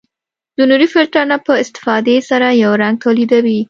د نوري فلټر نه په استفادې سره یو رنګ تولیدوي.